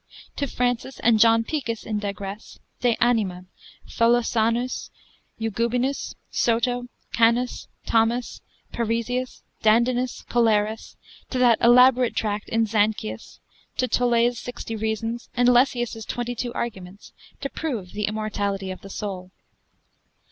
To Fran. and John Picus in digress: sup. 3. de Anima, Tholosanus, Eugubinus, To. Soto, Canas, Thomas, Peresius, Dandinus, Colerus, to that elaborate tract in Zanchius, to Tolet's Sixty Reasons, and Lessius' Twenty two Arguments, to prove the immortality of the soul.